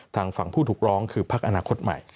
ทางฝั่งผู้ถูกร้องคือพักอนาคตใหม่